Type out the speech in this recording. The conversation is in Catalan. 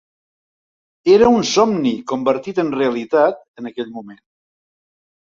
Era un somni convertit en realitat en aquell moment.